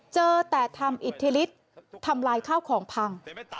เจอแต่ทำอิทธิฤทธิ์ทำลายข้าวของพัง